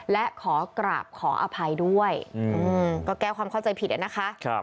และขอกราบขออภัยด้วยก็แก้ความเข้าใจผิดนะคะ